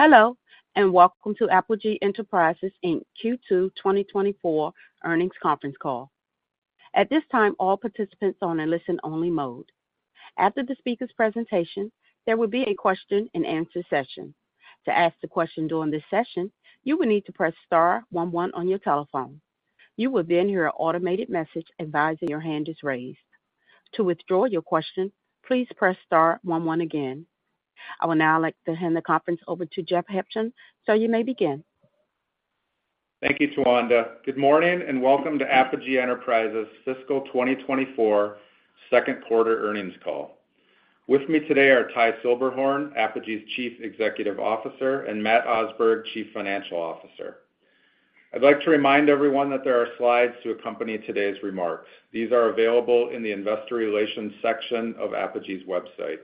Hello, and welcome to Apogee Enterprises Inc Q2 2024 Earnings Conference Call. At this time, all participants are on a listen-only mode. After the speaker's presentation, there will be a question-and-answer session. To ask a question during this session, you will need to press star one one on your telephone. You will then hear an automated message advising your hand is raised. To withdraw your question, please press star one one again. I would now like to hand the conference over to Jeff Huebschen, sir, you may begin. Thank you, Tawanda. Good morning, and welcome to Apogee Enterprises Fiscal 2024 Second Quarter Earnings Call. With me today are Ty Silberhorn, Apogee's Chief Executive Officer, and Matt Osberg, Chief Financial Officer. I'd like to remind everyone that there are slides to accompany today's remarks. These are available in the Investor Relations section of Apogee's website.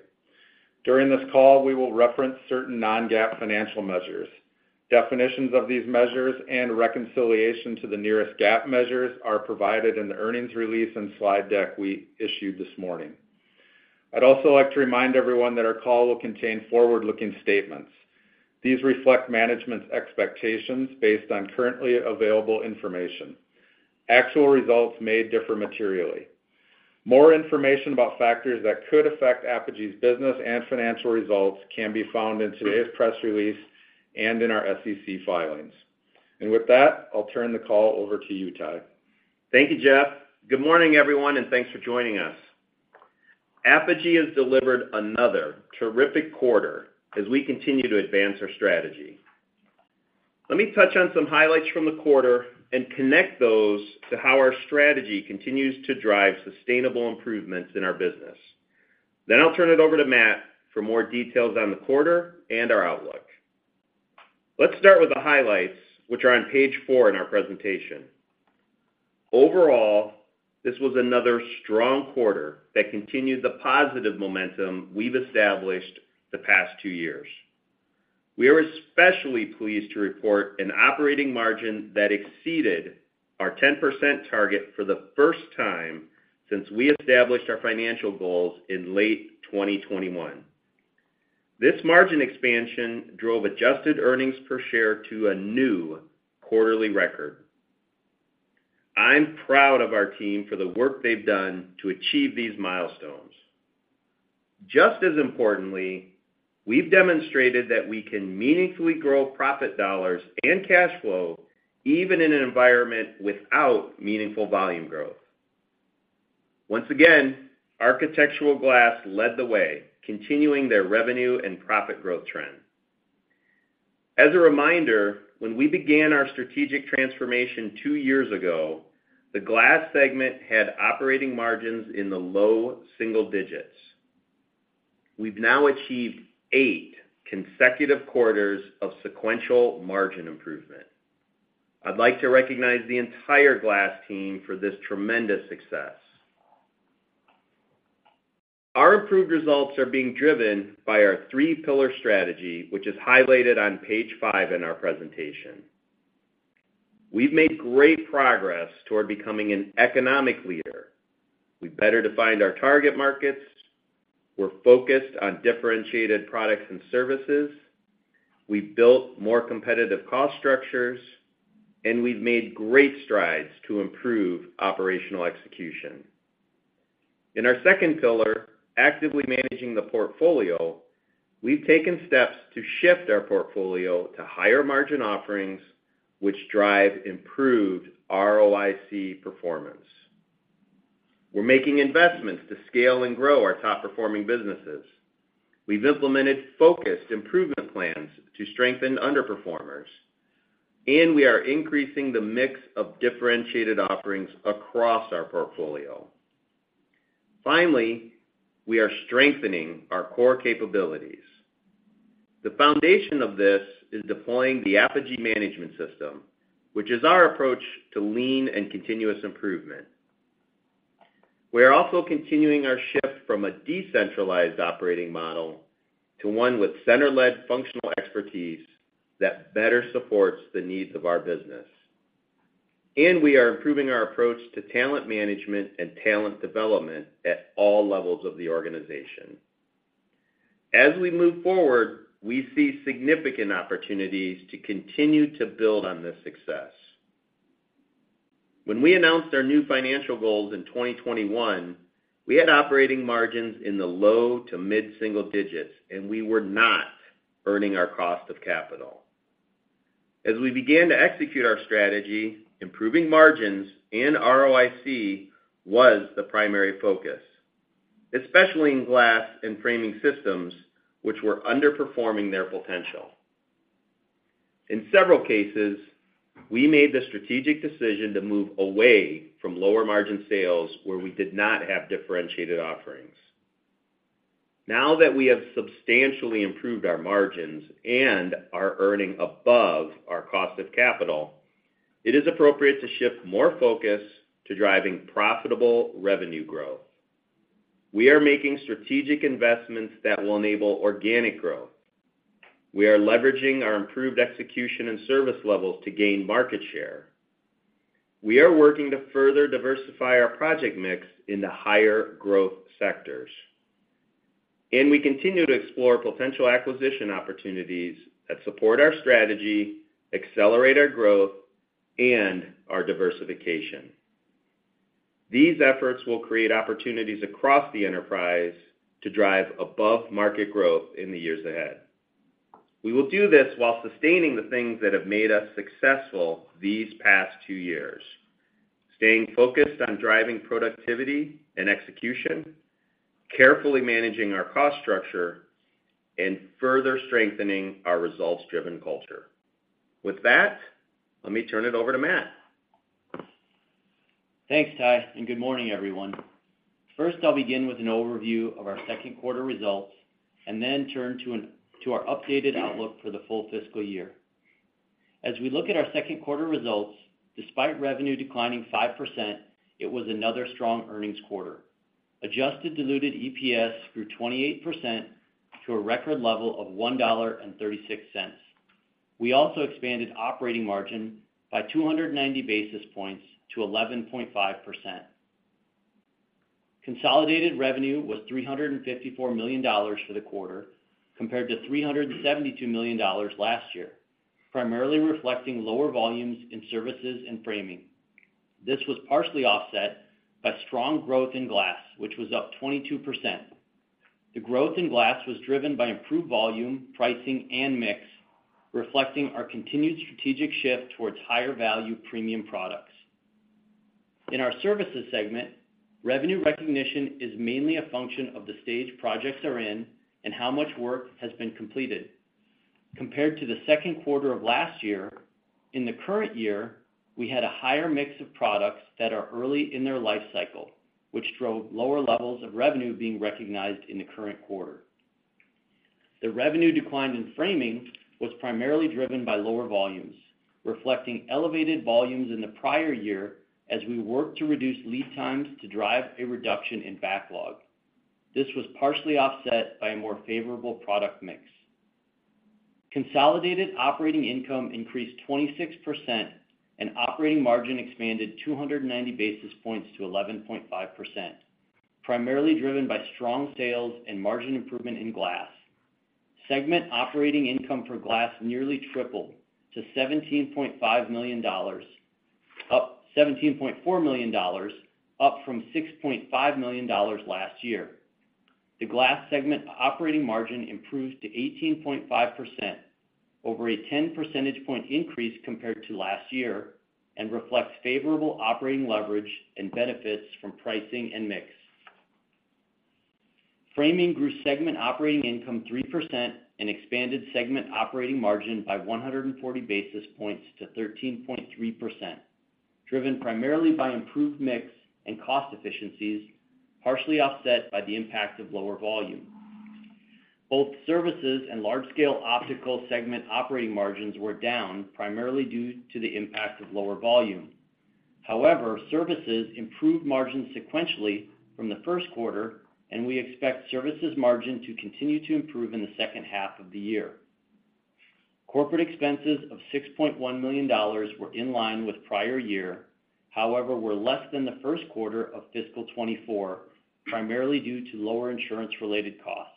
During this call, we will reference certain non-GAAP financial measures. Definitions of these measures and reconciliation to the nearest GAAP measures are provided in the earnings release and slide deck we issued this morning. I'd also like to remind everyone that our call will contain forward-looking statements. These reflect management's expectations based on currently available information. Actual results may differ materially. More information about factors that could affect Apogee's business and financial results can be found in today's press release and in our SEC filings. With that, I'll turn the call over to you, Ty. Thank you, Jeff. Good morning, everyone, and thanks for joining us. Apogee has delivered another terrific quarter as we continue to advance our strategy. Let me touch on some highlights from the quarter and connect those to how our strategy continues to drive sustainable improvements in our business. Then I'll turn it over to Matt for more details on the quarter and our outlook. Let's start with the highlights, which are on page four in our presentation. Overall, this was another strong quarter that continued the positive momentum we've established the past two years. We are especially pleased to report an operating margin that exceeded our 10% target for the first time since we established our financial goals in late 2021. This margin expansion drove adjusted earnings per share to a new quarterly record. I'm proud of our team for the work they've done to achieve these milestones. Just as importantly, we've demonstrated that we can meaningfully grow profit dollars and cash flow, even in an environment without meaningful volume growth. Once again, Architectural Glass led the way, continuing their revenue and profit growth trend. As a reminder, when we began our strategic transformation two years ago, the glass segment had operating margins in the low single digits. We've now achieved eight consecutive quarters of sequential margin improvement. I'd like to recognize the entire glass team for this tremendous success. Our improved results are being driven by our three-pillar strategy, which is highlighted on page five in our presentation. We've made great progress toward becoming an economic leader. We better defined our target markets. We're focused on differentiated products and services. We've built more competitive cost structures, and we've made great strides to improve operational execution. In our second pillar, actively managing the portfolio, we've taken steps to shift our portfolio to higher-margin offerings, which drive improved ROIC performance. We're making investments to scale and grow our top-performing businesses. We've implemented focused improvement plans to strengthen underperformers, and we are increasing the mix of differentiated offerings across our portfolio. Finally, we are strengthening our core capabilities. The foundation of this is deploying the Apogee Management System, which is our approach to lean and continuous improvement. We are also continuing our shift from a decentralized operating model to one with center-led functional expertise that better supports the needs of our business. And we are improving our approach to talent management and talent development at all levels of the organization. As we move forward, we see significant opportunities to continue to build on this success. When we announced our new financial goals in 2021, we had operating margins in the low- to mid-single digits, and we were not earning our cost of capital. As we began to execute our strategy, improving margins and ROIC was the primary focus, especially in glass and framing systems, which were underperforming their potential. In several cases, we made the strategic decision to move away from lower-margin sales, where we did not have differentiated offerings. Now that we have substantially improved our margins and are earning above our cost of capital, it is appropriate to shift more focus to driving profitable revenue growth. We are making strategic investments that will enable organic growth. We are leveraging our improved execution and service levels to gain market share.... We are working to further diversify our project mix in the higher growth sectors, and we continue to explore potential acquisition opportunities that support our strategy, accelerate our growth, and our diversification. These efforts will create opportunities across the enterprise to drive above-market growth in the years ahead. We will do this while sustaining the things that have made us successful these past two years, staying focused on driving productivity and execution, carefully managing our cost structure, and further strengthening our results-driven culture. With that, let me turn it over to Matt. Thanks, Ty, and good morning, everyone. First, I'll begin with an overview of our second quarter results, and then turn to our updated outlook for the full fiscal year. As we look at our second quarter results, despite revenue declining 5%, it was another strong earnings quarter. Adjusted Diluted EPS grew 28% to a record level of $1.36. We also expanded operating margin by 290 basis points to 11.5%. Consolidated revenue was $354 million for the quarter, compared to $372 million last year, primarily reflecting lower volumes in services and framing. This was partially offset by strong growth in glass, which was up 22%. The growth in glass was driven by improved volume, pricing, and mix, reflecting our continued strategic shift towards higher-value premium products. In our services segment, revenue recognition is mainly a function of the stage projects are in and how much work has been completed. Compared to the second quarter of last year, in the current year, we had a higher mix of products that are early in their life cycle, which drove lower levels of revenue being recognized in the current quarter. The revenue decline in framing was primarily driven by lower volumes, reflecting elevated volumes in the prior year as we worked to reduce lead times to drive a reduction in backlog. This was partially offset by a more favorable product mix. Consolidated operating income increased 26%, and operating margin expanded 290 basis points to 11.5%, primarily driven by strong sales and margin improvement in glass. Segment operating income for Glass nearly tripled to $17.5 million, up from $6.5 million last year. The Glass segment operating margin improved to 18.5%, over a 10 percentage point increase compared to last year, and reflects favorable operating leverage and benefits from pricing and mix. Framing grew segment operating income 3% and expanded segment operating margin by 140 basis points to 13.3%, driven primarily by improved mix and cost efficiencies, partially offset by the impact of lower volume. Both Services and Large-Scale Optical segment operating margins were down, primarily due to the impact of lower volume. However, Services improved margins sequentially from the first quarter, and we expect Services margin to continue to improve in the second half of the year. Corporate expenses of $6.1 million were in line with prior year, however, were less than the first quarter of fiscal 2024, primarily due to lower insurance-related costs.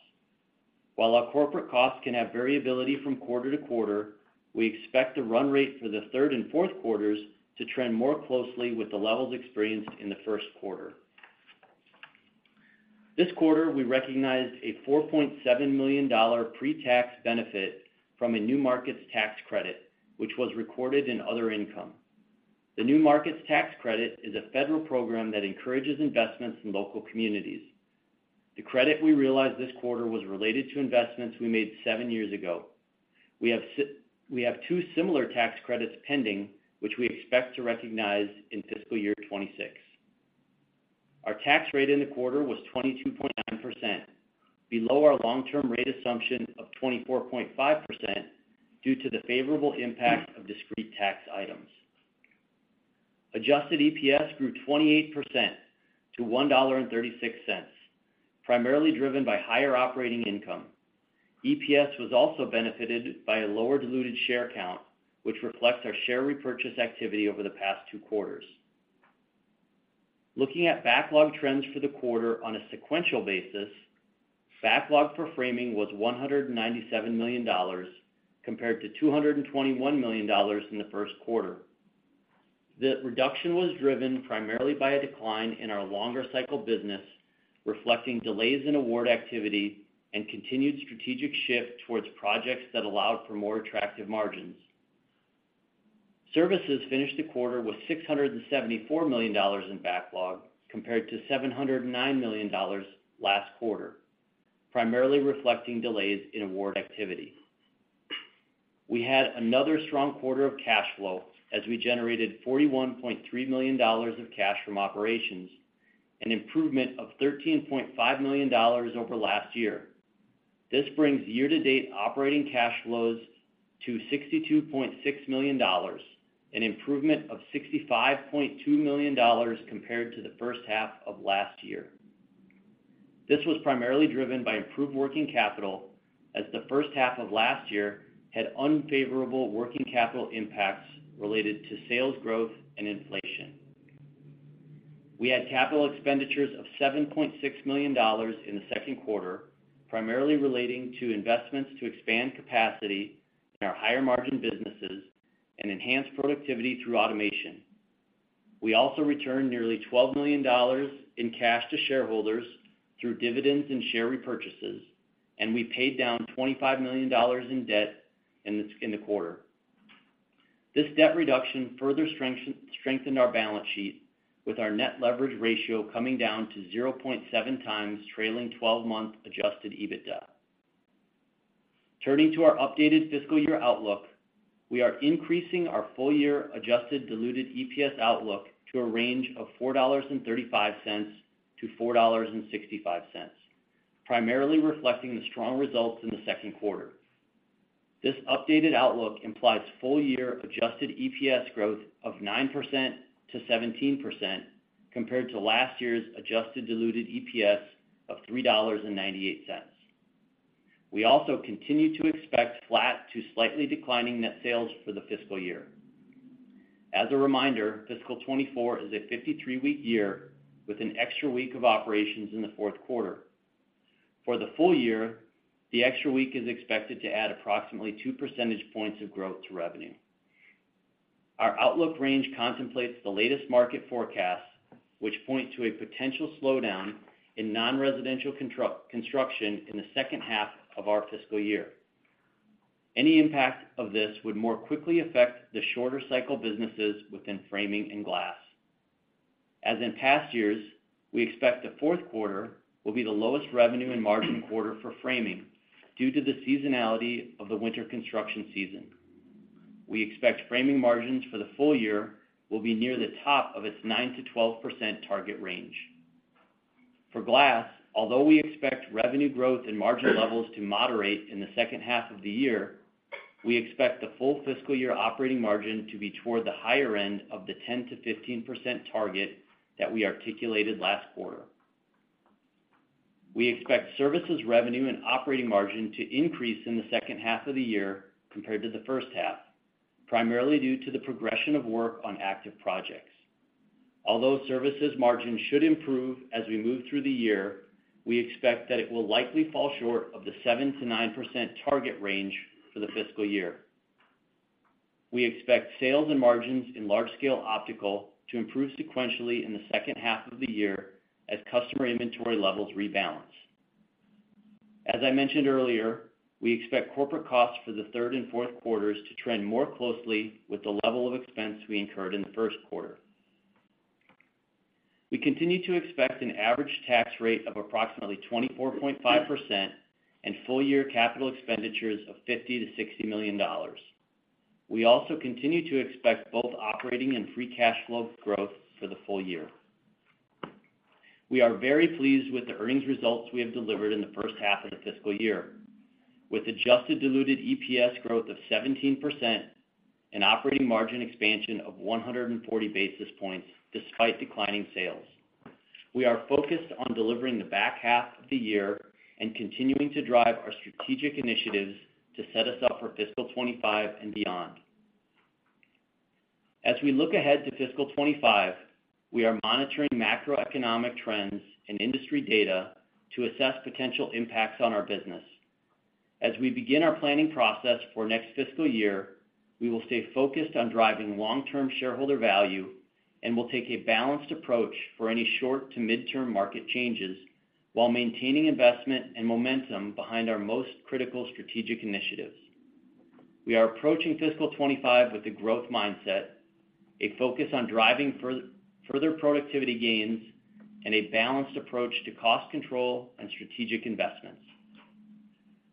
While our corporate costs can have variability from quarter-to-quarter, we expect the run rate for the third and fourth quarters to trend more closely with the levels experienced in the first quarter. This quarter, we recognized a $4.7 million pre-tax benefit from a New Markets Tax Credit, which was recorded in other income. The New Markets Tax Credit is a Federal program that encourages investments in local communities. The credit we realized this quarter was related to investments we made seven years ago. We have two similar tax credits pending, which we expect to recognize in fiscal year 2026. Our tax rate in the quarter was 22.9%, below our long-term rate assumption of 24.5%, due to the favorable impact of discrete tax items. Adjusted EPS grew 28% to $1.36, primarily driven by higher operating income. EPS was also benefited by a lower diluted share count, which reflects our share repurchase activity over the past two quarters. Looking at backlog trends for the quarter on a sequential basis, backlog for framing was $197 million, compared to $221 million in the first quarter. The reduction was driven primarily by a decline in our longer cycle business, reflecting delays in award activity and continued strategic shift towards projects that allowed for more attractive margins. Services finished the quarter with $674 million in backlog, compared to $709 million last quarter, primarily reflecting delays in award activity. We had another strong quarter of cash flow as we generated $41.3 million of cash from operations, an improvement of $13.5 million over last year. This brings year-to-date operating cash flows to $62.6 million, an improvement of $65.2 million compared to the first half of last year... This was primarily driven by improved working capital, as the first half of last year had unfavorable working capital impacts related to sales growth and inflation. We had capital expenditures of $7.6 million in the second quarter, primarily relating to investments to expand capacity in our higher-margin businesses and enhance productivity through automation. We also returned nearly $12 million in cash to shareholders through dividends and share repurchases, and we paid down $25 million in debt in the quarter. This debt reduction further strengthened our balance sheet, with our net leverage ratio coming down to 0.7x trailing 12 month Adjusted EBITDA. Turning to our updated fiscal year outlook, we are increasing our full-year Adjusted Diluted EPS outlook to a range of $4.35-$4.65, primarily reflecting the strong results in the second quarter. This updated outlook implies full-year Adjusted EPS growth of 9%-17% compared to last year's Adjusted Diluted EPS of $3.98. We also continue to expect flat to slightly declining net sales for the fiscal year. As a reminder, fiscal 2024 is a 53-week year with an extra week of operations in the fourth quarter. For the full year, the extra week is expected to add approximately 2 percentage points of growth to revenue. Our outlook range contemplates the latest market forecasts, which point to a potential slowdown in non-residential construction in the second half of our fiscal year. Any impact of this would more quickly affect the shorter cycle businesses within framing and glass. As in past years, we expect the fourth quarter will be the lowest revenue and margin quarter for framing due to the seasonality of the winter construction season. We expect framing margins for the full year will be near the top of its 9%-12% target range. For glass, although we expect revenue growth and margin levels to moderate in the second half of the year, we expect the full fiscal year operating margin to be toward the higher end of the 10%-15% target that we articulated last quarter. We expect services revenue and operating margin to increase in the second half of the year compared to the first half, primarily due to the progression of work on active projects. Although services margin should improve as we move through the year, we expect that it will likely fall short of the 7%-9% target range for the fiscal year. We expect sales and margins in Large-Scale Optical to improve sequentially in the second half of the year as customer inventory levels rebalance. As I mentioned earlier, we expect corporate costs for the third and fourth quarters to trend more closely with the level of expense we incurred in the first quarter. We continue to expect an average tax rate of approximately 24.5% and full-year capital expenditures of $50 million-$60 million. We also continue to expect both operating and free cash flow growth for the full year. We are very pleased with the earnings results we have delivered in the first half of the fiscal year, with Adjusted Diluted EPS growth of 17% and operating margin expansion of 140 basis points despite declining sales. We are focused on delivering the back half of the year and continuing to drive our strategic initiatives to set us up for fiscal 2025 and beyond. As we look ahead to fiscal 2025, we are monitoring macroeconomic trends and industry data to assess potential impacts on our business. As we begin our planning process for next fiscal year, we will stay focused on driving long-term shareholder value and will take a balanced approach for any short to midterm market changes while maintaining investment and momentum behind our most critical strategic initiatives. We are approaching fiscal 2025 with a growth mindset, a focus on driving further productivity gains, and a balanced approach to cost control and strategic investments.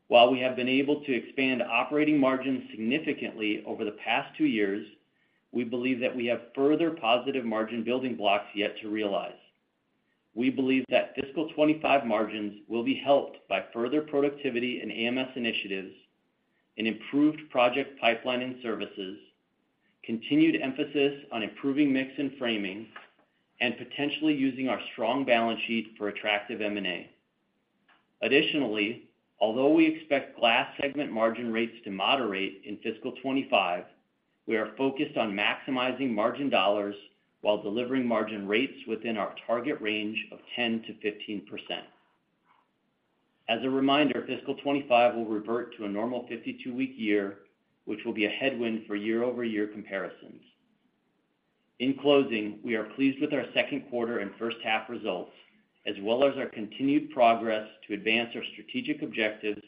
While we have been able to expand operating margins significantly over the past two years, we believe that we have further positive margin building blocks yet to realize. We believe that fiscal 2025 margins will be helped by further productivity and AMS initiatives, an improved project pipeline in services, continued emphasis on improving mix in framing, and potentially using our strong balance sheet for attractive M&A. Additionally, although we expect glass segment margin rates to moderate in fiscal 2025, we are focused on maximizing margin dollars while delivering margin rates within our target range of 10%-15%. As a reminder, fiscal 2025 will revert to a normal 52-week year, which will be a headwind for year-over-year comparisons. In closing, we are pleased with our second quarter and first half results, as well as our continued progress to advance our strategic objectives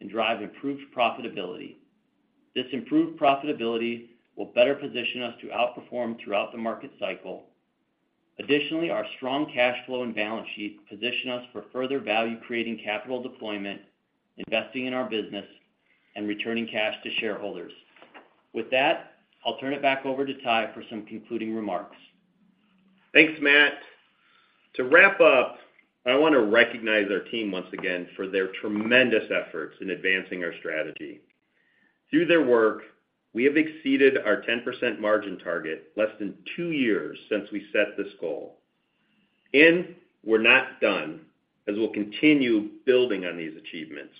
and drive improved profitability. This improved profitability will better position us to outperform throughout the market cycle. Additionally, our strong cash flow and balance sheet position us for further value-creating capital deployment, investing in our business, and returning cash to shareholders. With that, I'll turn it back over to Ty for some concluding remarks. Thanks, Matt. To wrap up, I want to recognize our team once again for their tremendous efforts in advancing our strategy.... Through their work, we have exceeded our 10% margin target, less than two years since we set this goal. We're not done, as we'll continue building on these achievements.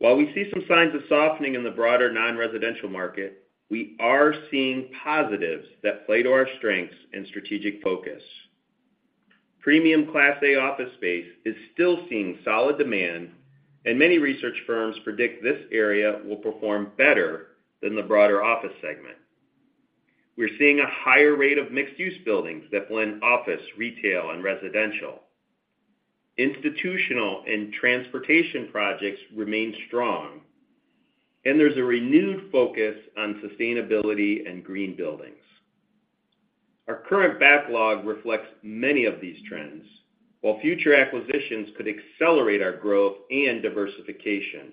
While we see some signs of softening in the broader non-residential market, we are seeing positives that play to our strengths and strategic focus. Premium Class A office space is still seeing solid demand, and many research firms predict this area will perform better than the broader office segment. We're seeing a higher rate of mixed-use buildings that blend office, retail, and residential. Institutional and transportation projects remain strong, and there's a renewed focus on sustainability and green buildings. Our current backlog reflects many of these trends, while future acquisitions could accelerate our growth and diversification.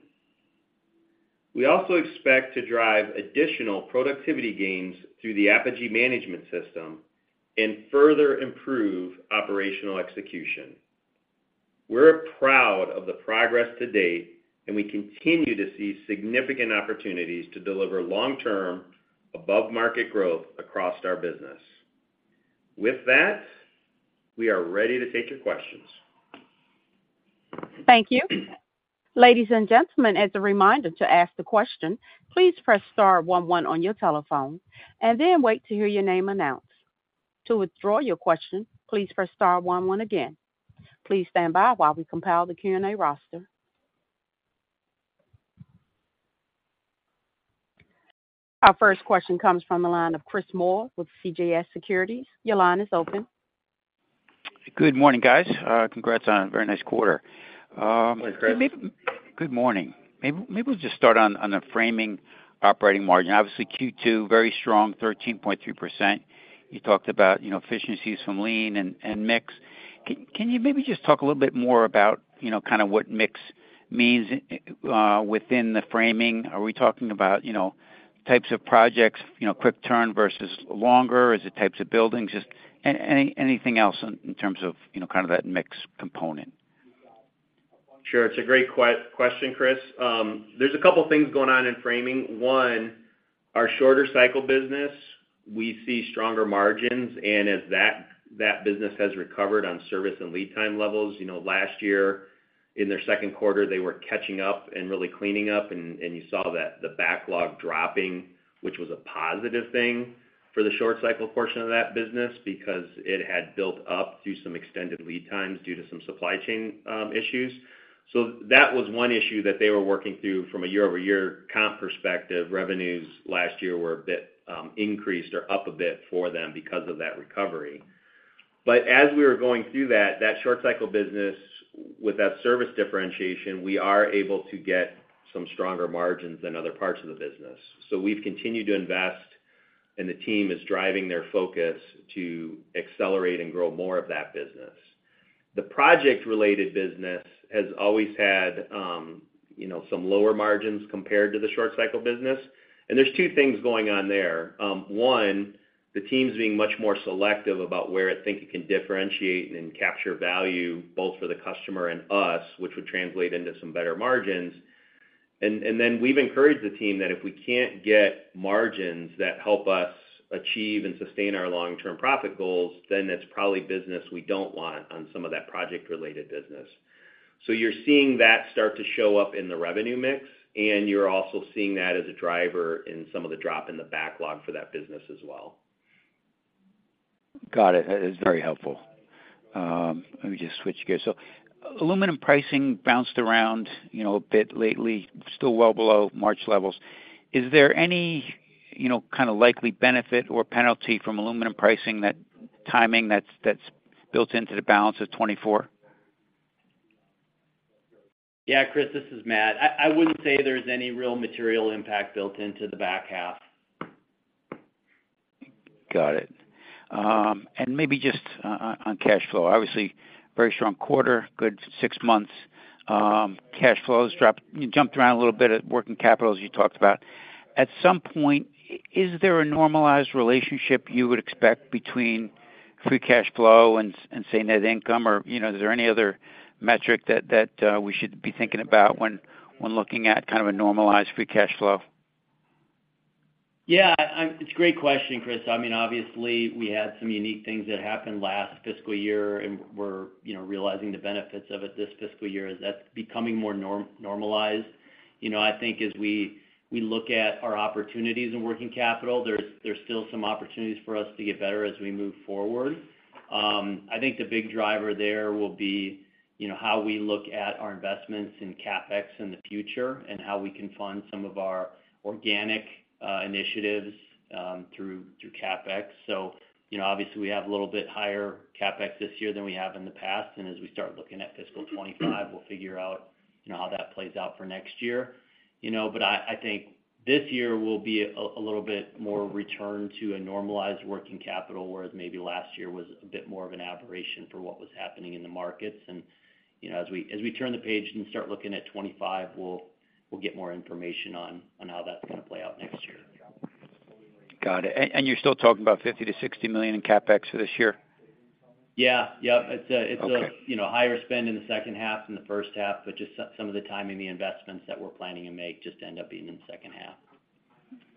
We also expect to drive additional productivity gains through the Apogee Management System and further improve operational execution. We're proud of the progress to date, and we continue to see significant opportunities to deliver long-term, above-market growth across our business. With that, we are ready to take your questions. Thank you. Ladies, and gentlemen, as a reminder to ask the question, please press star one one on your telephone and then wait to hear your name announced. To withdraw your question, please press star one one again. Please stand by while we compile the Q&A roster. Our first question comes from the line of Chris Moore with CJS Securities. Your line is open. Good morning, guys. Congrats on a very nice quarter. Good morning, Chris. Good morning. Maybe we'll just start on the framing operating margin. Obviously, Q2, very strong, 13.2%. You talked about, you know, efficiencies from lean and mix. Can you maybe just talk a little bit more about, you know, kinda what mix means within the framing? Are we talking about, you know, types of projects, you know, quick turn versus longer? Is it types of buildings? Just anything else in terms of, you know, kind of that mix component? Sure. It's a great question, Chris. There's a couple things going on in framing. One, our shorter cycle business, we see stronger margins, and as that business has recovered on service and lead time levels. You know, last year, in their second quarter, they were catching up and really cleaning up, and you saw that, the backlog dropping, which was a positive thing for the short cycle portion of that business, because it had built up through some extended lead times due to some supply chain issues. So that was one issue that they were working through from a year-over-year comp perspective. Revenues last year were a bit increased or up a bit for them because of that recovery. As we were going through that short cycle business, with that service differentiation, we are able to get some stronger margins than other parts of the business. We've continued to invest, and the team is driving their focus to accelerate and grow more of that business. The project-related business has always had, you know, some lower margins compared to the short cycle business. There's two things going on there. One, the team's being much more selective about where it thinks it can differentiate and capture value, both for the customer and us, which would translate into some better margins. Then we've encouraged the team that if we can't get margins that help us achieve and sustain our long-term profit goals, it's probably business we don't want on some of that project-related business. You're seeing that start to show up in the revenue mix, and you're also seeing that as a driver in some of the drop in the backlog for that business as well. Got it. That is very helpful. Let me just switch gears. So aluminum pricing bounced around, you know, a bit lately, still well below March levels. Is there any, you know, kind of likely benefit or penalty from aluminum pricing, that timing, that's built into the balance of 2024? Yeah, Chris, this is Matt. I wouldn't say there's any real material impact built into the back half. Got it. And maybe just on cash flow. Obviously, very strong quarter, good six months. Cash flows dropped... You jumped around a little bit at working capital, as you talked about. At some point, is there a normalized relationship you would expect between free cash flow and, say, net income? Or, you know, is there any other metric that we should be thinking about when looking at kind of a normalized free cash flow? Yeah, I... It's a great question, Chris. I mean, obviously, we had some unique things that happened last fiscal year, and we're, you know, realizing the benefits of it this fiscal year, as that's becoming more normalized. You know, I think as we look at our opportunities in working capital, there's still some opportunities for us to get better as we move forward. I think the big driver there will be, you know, how we look at our investments in CapEx in the future and how we can fund some of our organic, you know, initiatives through CapEx. You know, obviously, we have a little bit higher CapEx this year than we have in the past, and as we start looking at fiscal 2025, we'll figure out, you know, how that plays out for next year. You know, but I think this year will be a little bit more return to a normalized working capital, whereas maybe last year was a bit more of an aberration for what was happening in the markets. You know, as we turn the page and start looking at 2025, we'll get more information on how that's gonna play out next year.... Got it. And you're still talking about $50 million-$60 million in CapEx for this year? Yeah. Yep. Okay. It's, you know, higher spend in the second half than the first half, but just some of the timing, the investments that we're planning to make just end up being in the second half.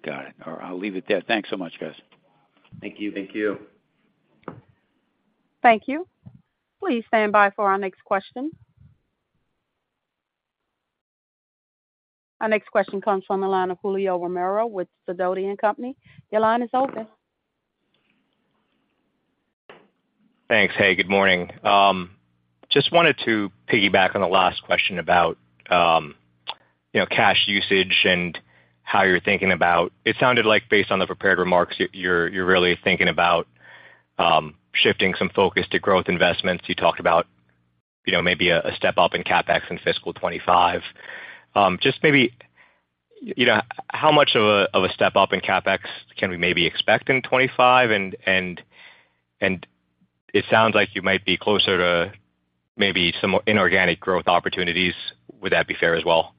Got it. All right, I'll leave it there. Thanks so much, guys. Thank you. Thank you. Thank you. Please stand by for our next question. Our next question comes from the line of Julio Romero with Sidoti & Company. Your line is open. Thanks. Hey, good morning. Just wanted to piggyback on the last question about, you know, cash usage and how you're thinking about... It sounded like based on the prepared remarks, you're really thinking about shifting some focus to growth investments. You talked about, you know, maybe a step up in CapEx in fiscal 2025. Just maybe, you know, how much of a step up in CapEx can we maybe expect in 2025? And it sounds like you might be closer to maybe some inorganic growth opportunities. Would that be fair as well?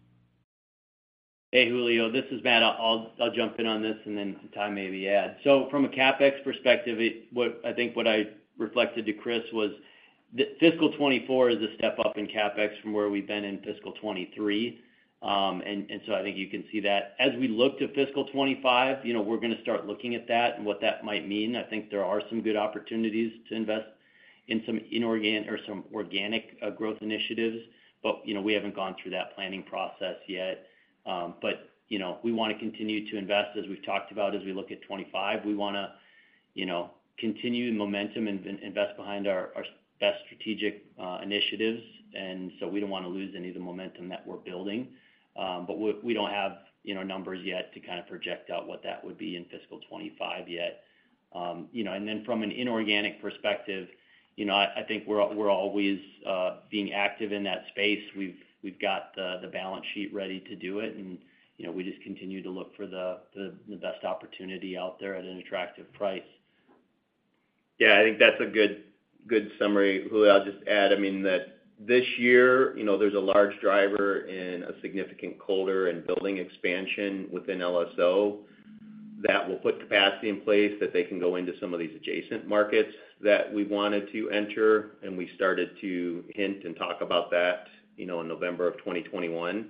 Hey, Julio, this is Matt. I'll jump in on this, and then Ty maybe add. So from a CapEx perspective, I think what I reflected to Chris was, the fiscal 2024 is a step up in CapEx from where we've been in fiscal 2023. And so I think you can see that. As we look to fiscal 2025, you know, we're gonna start looking at that and what that might mean. I think there are some good opportunities to invest in some inorganic or some organic growth initiatives, but, you know, we haven't gone through that planning process yet. But, you know, we wanna continue to invest, as we've talked about as we look at 2025. We wanna, you know, continue the momentum and invest behind our best strategic initiatives, and so we don't wanna lose any of the momentum that we're building. You know, and then from an inorganic perspective, you know, I think we're always being active in that space. We've got the balance sheet ready to do it, and, you know, we just continue to look for the best opportunity out there at an attractive price. Yeah, I think that's a good, good summary, Julio. I'll just add, I mean, that this year, you know, there's a large driver and a significant capital and building expansion within LSO that will put capacity in place, that they can go into some of these adjacent markets that we wanted to enter, and we started to hint and talk about that, you know, in November of 2021.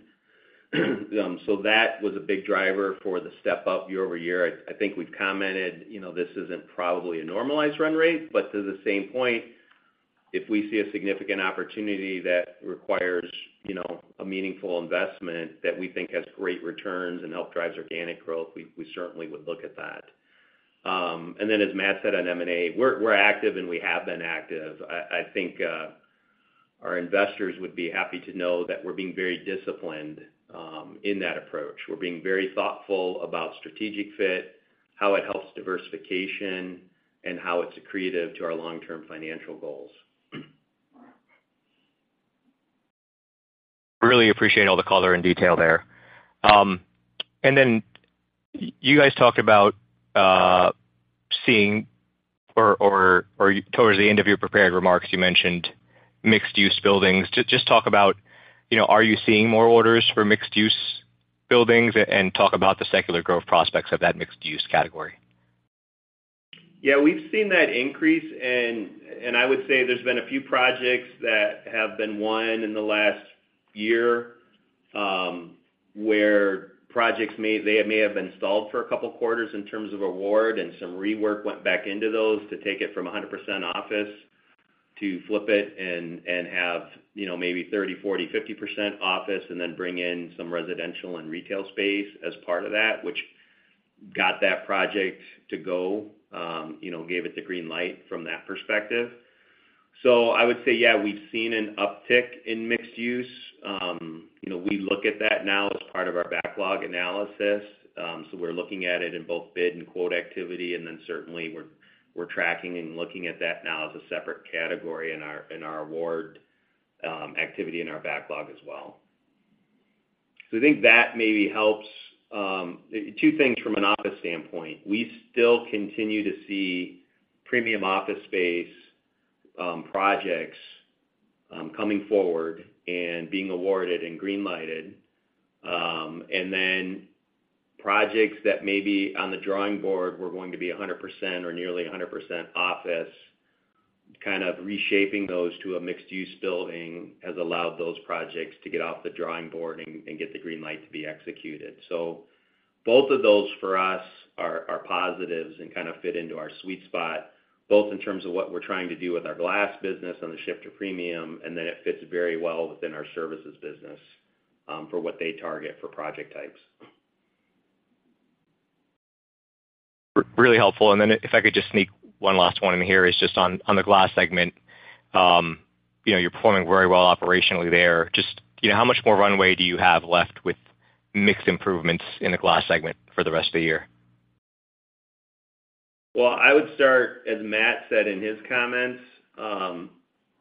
So that was a big driver for the step up year-over-year. I think we've commented, you know, this isn't probably a normalized run rate, but to the same point, if we see a significant opportunity that requires, you know, a meaningful investment that we think has great returns and help drives organic growth, we certainly would look at that. And then as Matt said on M&A, we're active, and we have been active. I think our investors would be happy to know that we're being very disciplined in that approach. We're being very thoughtful about strategic fit, how it helps diversification, and how it's accretive to our long-term financial goals. Really appreciate all the color and detail there. You guys talked about seeing or, or, towards the end of your prepared remarks, you mentioned mixed-use buildings. Just talk about, you know, are you seeing more orders for mixed-use buildings, and talk about the secular growth prospects of that mixed-use category? Yeah, we've seen that increase, and I would say there's been a few projects that have been won in the last year, where projects may have been stalled for a couple of quarters in terms of award, and some rework went back into those to take it from 100% office to flip it and have, you know, maybe 30%, 40%, 50% office, and then bring in some residential and retail space as part of that, which got that project to go, you know, gave it the green light from that perspective. I would say, yeah, we've seen an uptick in mixed use. You know, we look at that now as part of our backlog analysis. So we're looking at it in both bid and quote activity, and then certainly, we're tracking and looking at that now as a separate category in our award activity, in our backlog as well. So I think that maybe helps. Two things from an office standpoint. We still continue to see premium office space projects coming forward and being awarded and green lighted. And then projects that may be on the drawing board were going to be 100% or nearly 100% office. Kind of reshaping those to a mixed-use building has allowed those projects to get off the drawing board and get the green light to be executed. So both of those for us are positives and kind of fit into our sweet spot, both in terms of what we're trying to do with our glass business on the shift to premium, and then it fits very well within our services business for what they target for project types. Really helpful. And then if I could just sneak one last one in here, it's just on the glass segment. You know, you're performing very well operationally there. Just, you know, how much more runway do you have left with mix improvements in the glass segment for the rest of the year? Well, I would start, as Matt said in his comments,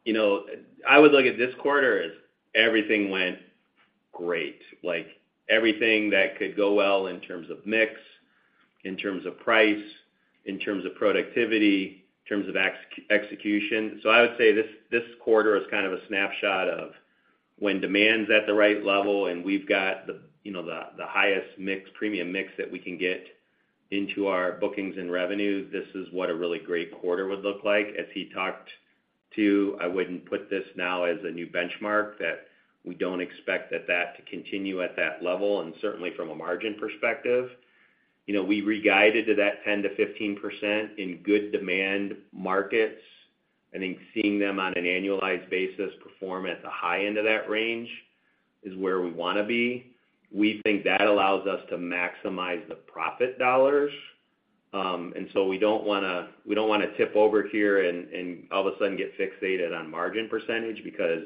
you know, I would look at this quarter as everything went great, like, everything that could go well in terms of mix, in terms of price, in terms of productivity, in terms of execution. So I would say this, this quarter is kind of a snapshot of when demand's at the right level, and we've got the, you know, the, the highest mix, premium mix that we can get into our bookings and revenue, this is what a really great quarter would look like. As he talked to, I wouldn't put this now as a new benchmark, that we don't expect that that to continue at that level, and certainly from a margin perspective. You know, we re-guided to that 10%-15% in good demand markets. I think seeing them on an annualized basis perform at the high end of that range is where we wanna be. We think that allows us to maximize the profit dollars. And so we don't wanna, we don't wanna tip over here and all of a sudden get fixated on margin percentage, because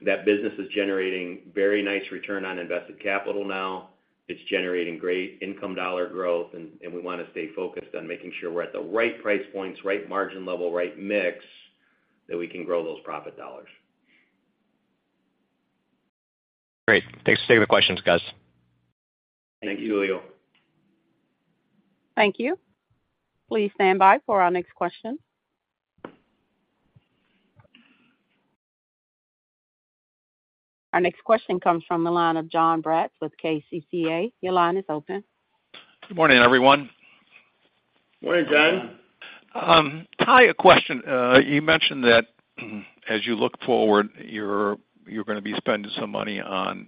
that business is generating very nice Return on Invested Capital now. It's generating great income dollar growth, and we wanna stay focused on making sure we're at the right price points, right margin level, right mix, that we can grow those profit dollars. Great. Thanks for taking the questions, guys. Thank you, Julio. Thank you. Please stand by for our next question. Our next question comes from the line of Jon Braatz with KCCA. Your line is open. Good morning, everyone. Good morning, Jon. Ty, a question. You mentioned that, as you look forward, you're gonna be spending some money on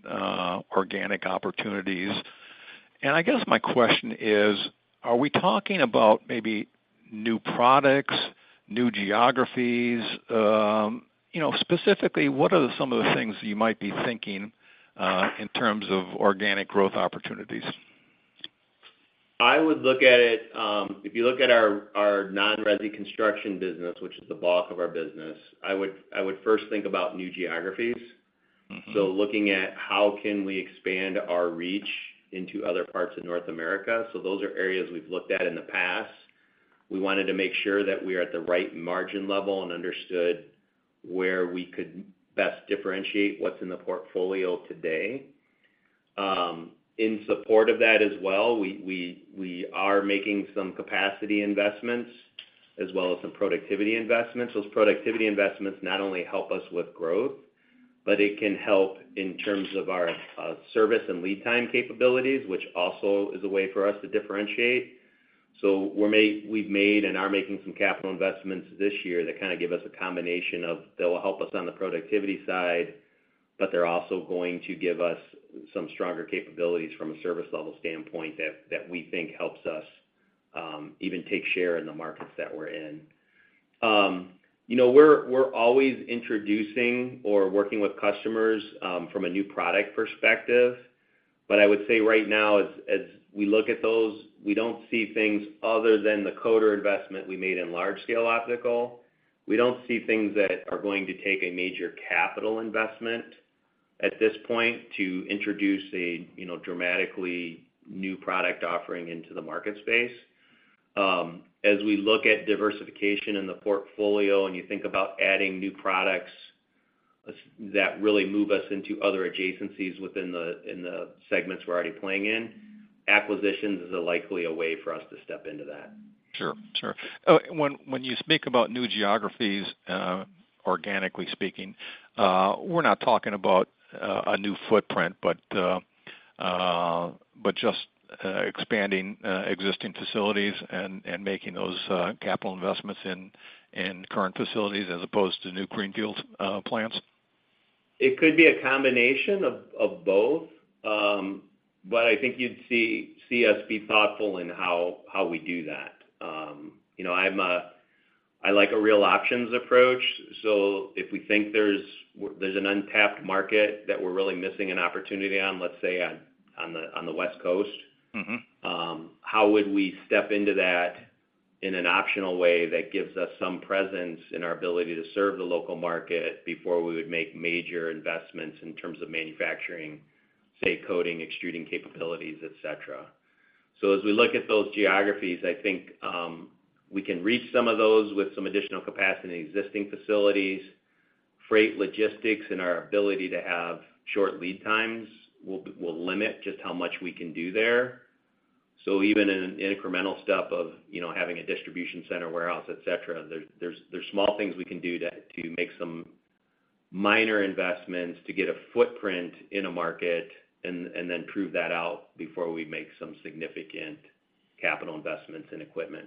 organic opportunities. And I guess my question is, are we talking about maybe new products, new geographies? You know, specifically, what are some of the things you might be thinking in terms of organic growth opportunities? I would look at it, if you look at our non-residential construction business, which is the bulk of our business, I would first think about new geographies. Mm-hmm. So looking at how can we expand our reach into other parts of North America. So those are areas we've looked at in the past. We wanted to make sure that we are at the right margin level and understood where we could best differentiate what's in the portfolio today. In support of that as well, we are making some capacity investments as well as some productivity investments. Those productivity investments not only help us with growth, but it can help in terms of our service and lead time capabilities, which also is a way for us to differentiate. We've made and are making some capital investments this year that kind of give us a combination of, that will help us on the productivity side, but they're also going to give us some stronger capabilities from a service level standpoint that we think helps us even take share in the markets that we're in. You know, we're always introducing or working with customers from a new product perspective, but I would say right now, as we look at those, we don't see things other than the coater investment we made in Large-Scale Optical. We don't see things that are going to take a major capital investment at this point to introduce a, you know, dramatically new product offering into the market space. As we look at diversification in the portfolio, and you think about adding new products that really move us into other adjacencies within the segments we're already playing in, acquisitions is likely a way for us to step into that. Sure. Sure. When you speak about new geographies, organically speaking, we're not talking about a new footprint, but just expanding existing facilities and making those capital investments in current facilities as opposed to new greenfield plants? It could be a combination of both. But I think you'd see us be thoughtful in how we do that. You know, I'm a—I like a real options approach, so if we think there's an untapped market that we're really missing an opportunity on, let's say, on the West Coast- Mm-hmm. How would we step into that in an optional way that gives us some presence in our ability to serve the local market before we would make major investments in terms of manufacturing, say, coating, extruding capabilities, et cetera? So as we look at those geographies, I think, we can reach some of those with some additional capacity in existing facilities. Freight, logistics, and our ability to have short lead times will limit just how much we can do there. So even in an incremental step of, you know, having a distribution center, warehouse, et cetera, there's small things we can do to make some minor investments to get a footprint in a market and then prove that out before we make some significant capital investments in equipment.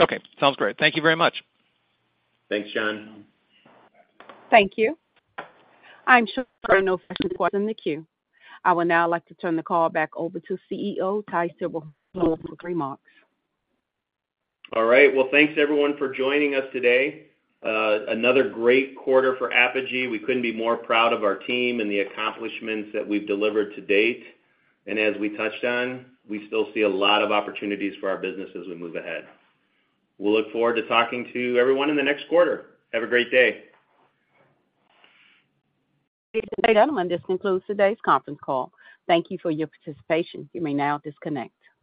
Okay, sounds great. Thank you very much. Thanks, Jon. Thank you. I'm sure there are no further questions in the queue. I would now like to turn the call back over to CEO, Ty Silberhorn, for closing remarks. All right. Well, thanks everyone for joining us today. Another great quarter for Apogee. We couldn't be more proud of our team and the accomplishments that we've delivered to date. And as we touched on, we still see a lot of opportunities for our business as we move ahead. We'll look forward to talking to everyone in the next quarter. Have a great day. This concludes today's conference call. Thank you for your participation. You may now disconnect.